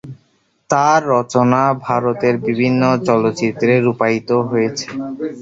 তার রচনা ভারতের বিভিন্ন চলচ্চিত্রে রূপায়িত হয়েছে।